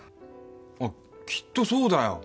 あっきっとそうだよ。